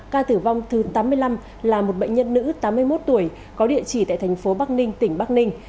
ca tử vong thứ tám mươi năm là một bệnh nhân nữ tám mươi một tuổi có địa chỉ tại thành phố bắc ninh tỉnh bắc ninh